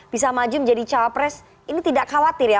bisa maju menjadi cawapres ini tidak khawatir ya